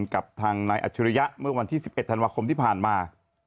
กับทางนายอัจฉริยะเมื่อวันที่๑๑ธันวาคมที่ผ่านมา